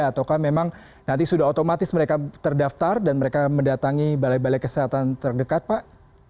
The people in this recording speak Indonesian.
ataukah memang nanti sudah otomatis mereka terdaftar dan mereka mendatangi balai balai kesehatan terdekat pak